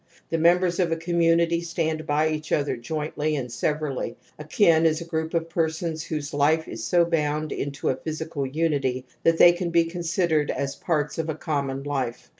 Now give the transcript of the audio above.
ihe members of a community stand Dy each other .jointly and severally, a kin is a group of persons whose Ufe is so bound into a physical unity that they can be considered as parts of a common Hfe.